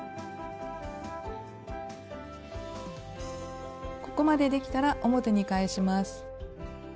ここまでできたら表に返します。